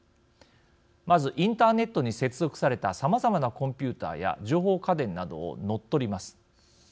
まずインターネットに接続されたさまざまなコンピューターや情報家電などを乗っ取ります。